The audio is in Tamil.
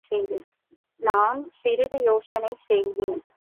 நான் சிறிது யோசனை செய்தேன்.